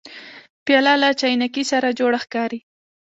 پیاله له چاینکي سره جوړه ښکاري.